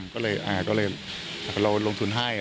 ก็เลยอ่าก็เลยเราลงทุนให้